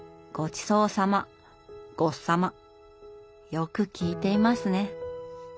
よく聞いていますね。